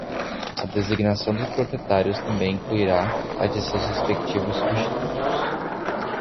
A designação dos proprietários também incluirá a de seus respectivos substitutos.